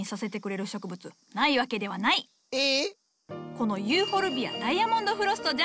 このユーフォルビアダイアモンド・フロストじゃ。